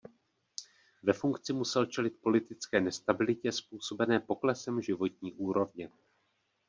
Ve funkci musel čelit politické nestabilitě způsobené poklesem životní úrovně.